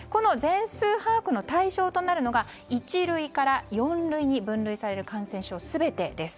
この全数把握の対象となるのが一類から四類に分類される感染症全てです。